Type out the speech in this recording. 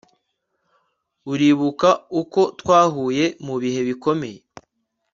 uribuka uko twahuye mu bihe bikomeye